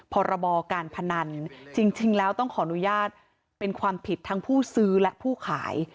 พรบการพนันจริงแล้วต้องขออนุญาตเป็นความผิดทั้งผู้ซื้อและผู้ขาย